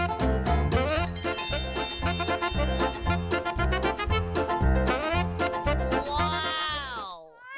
ว้าว